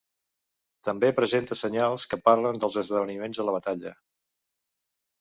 També presenta senyals que parlen dels esdeveniments a la batalla.